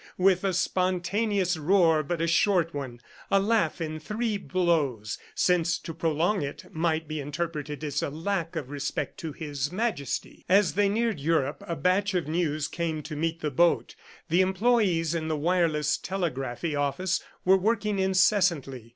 with a spontaneous roar but a short one, a laugh in three blows, since to prolong it, might be interpreted as a lack of respect to His Majesty. As they neared Europe, a batch of news came to meet the boat. The employees in the wireless telegraphy office were working incessantly.